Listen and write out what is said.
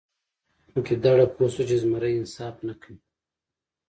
ګیدړه پوه شوه چې زمری انصاف نه کوي.